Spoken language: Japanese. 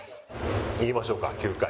いきましょうか９回。